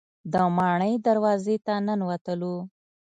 د ماڼۍ دروازې ته ننوتلو.